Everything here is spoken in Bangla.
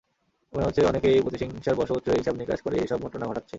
মনে হচ্ছে, অনেকেই প্রতিহিংসার বশবর্তী হয়ে হিসাব-নিকাশ করেই এসব ঘটনা ঘটাচ্ছে।